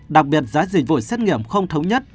đặc biệt giá dịch vụ xét nghiệm không thống nhất